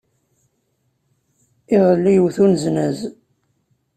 Iḍelli, iwet-d uneznaz.